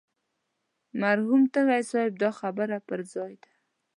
مرحوم تږي صاحب دا خبره پر ځای ده.